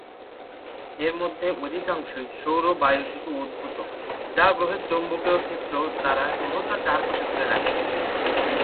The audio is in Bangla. এর মধ্যে অধিকাংশই সৌর বায়ু থেকে উদ্ভূত, যা গ্রহের চৌম্বকীয় ক্ষেত্র দ্বারা গ্রহ তার চারপাশে ধরে রাখে।